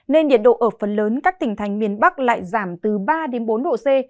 nên nhiệt độ ở phần lớn các tỉnh thành miền bắc lại giảm từ ba đến bốn độ c